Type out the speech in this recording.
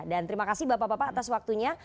dan terima kasih bapak bapak atas waktunya